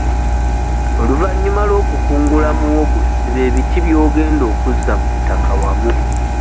Oluvannyuma lw'okukungula muwogo siba ebiti by'ogenda okuzza mu ttaka wamu.